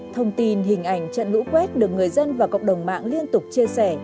thông tin hình ảnh trận lũ quét được người dân và cộng đồng mạng liên tục chia sẻ